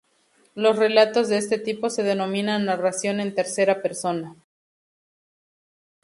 Los relatos de este tipo se denominan narración en tercera persona.